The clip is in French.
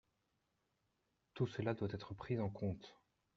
Tout cela doit être pris en compte.